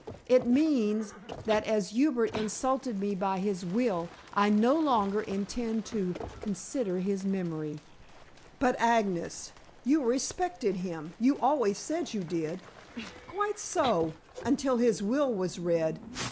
It means, that as Hubert insulted me by his will, I no longer intend to consider his memory." "But, Agnes, you respected him. You always said that you did?" "Quite so, until his will was read.